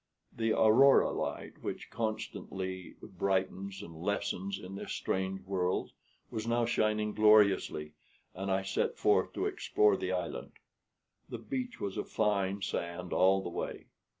The aurora light, which constantly brightens and lessens in this strange world, was now shining gloriously, and I set forth to explore the island. The beach was of fine sand all the way.